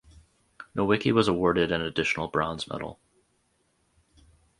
Nowicki was awarded an additional bronze medal.